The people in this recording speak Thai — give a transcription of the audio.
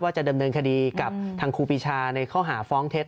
จะดำเนินคดีกับทางครูปีชาในข้อหาฟ้องเท็จ